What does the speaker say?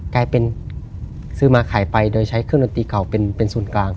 กลายเป็นซื้อมาขายไปโดยใช้เครื่องดนตรีเก่าเป็นศูนย์กลาง